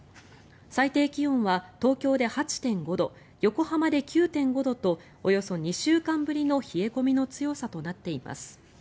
最低気温は東京で８．５度横浜で９．５度とおよそ２週間ぶりの冷え込みの強さとなっています。